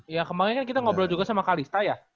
ya kemarin kan kita ngobrol juga sama kalista ya